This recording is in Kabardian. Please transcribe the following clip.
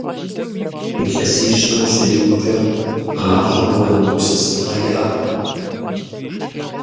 Илъэсищэ ущрикъукӀэ, гъащӀэм уемыгупсысыпӀэ иӀэкъым.